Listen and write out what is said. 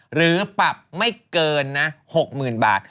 หรือปรับไม่เกินนะ๖๐๐๐บาท